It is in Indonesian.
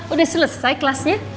udah selesai kelasnya